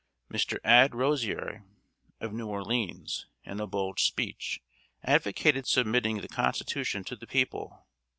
Mr. Add Rozier, of New Orleans, in a bold speech, advocated submitting the constitution to the people.